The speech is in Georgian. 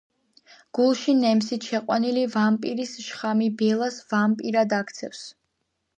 გულში ნემსით შეყვანილი ვამპირის შხამი ბელას ვამპირად აქცევს.